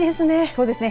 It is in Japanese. そうですね。